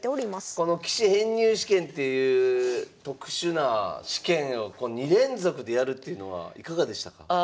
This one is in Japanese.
この棋士編入試験っていう特殊な試験を２連続でやるっていうのはいかがでしたか？